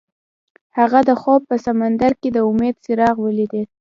هغه د خوب په سمندر کې د امید څراغ ولید.